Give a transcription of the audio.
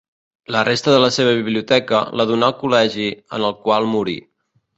La resta de la seva biblioteca la donà al col·legi en el qual morí.